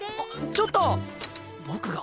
ちょっと僕が？